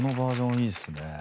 いいですね。